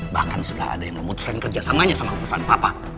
bahkan sudah ada yang memutuskan kerjasamanya sama perusahaan papa